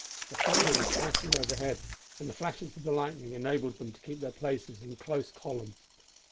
The thunder was clashing overhead, and the flashes of the lightning enabled them to keep their places in close column.